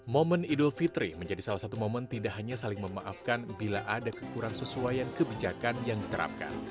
momen idul fitri menjadi salah satu momen tidak hanya saling memaafkan bila ada kekurang sesuaian kebijakan yang diterapkan